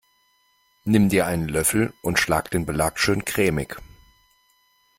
Nimm dir einen Löffel und schlag den Belag schön cremig.